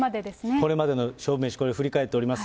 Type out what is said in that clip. これまでの勝負メシ、これ、振り返っております。